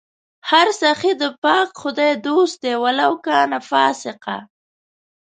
هر سخي د پاک خدای دوست دئ ولو کانَ فاسِقا